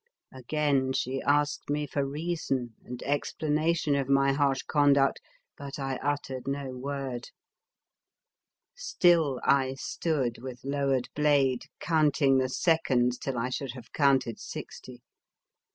Again she asked me for reason and explanation of my harsh conduct, but I uttered no word. Still I stood with lowered blade, counting the seconds till I should have counted sixty.